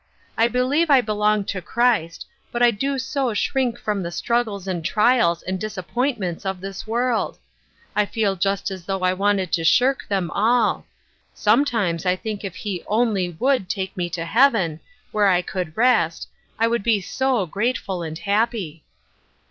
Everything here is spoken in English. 1 believe I belong to Christ ; but I do so shrink from the struggles and trials and disappoint ments of this world I I feel just as* though I wanted to shirk them all. Sometimes I think if He only would take me to heaven, where I could rest, I would be so grateful and happy."